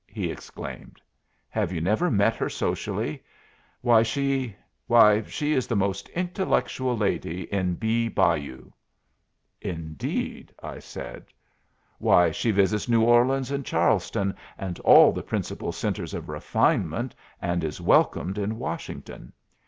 he exclaimed. "Have you never met her socially? Why she why she is the most intellectual lady in Bee Bayou." "Indeed!" I said. "Why she visits New Orleans, and Charleston, and all the principal centres of refinement, and is welcomed in Washington.